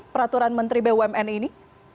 peraturan menteri bumn ini